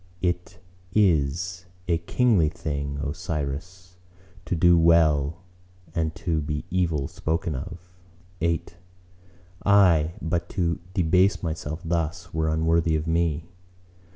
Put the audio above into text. — It is a kingly thing, O Cyrus, to do well and to be evil spoken of. VIII "Aye, but to debase myself thus were unworthy of me."